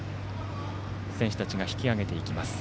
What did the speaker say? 選手たちが引き揚げていきます。